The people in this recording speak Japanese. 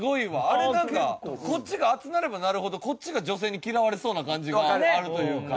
あれなんかこっちが熱くなればなるほどこっちが女性に嫌われそうな感じがあるというか。